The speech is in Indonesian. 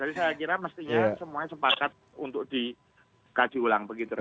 jadi saya kira mestinya semuanya sepakat untuk dikaji ulang begitu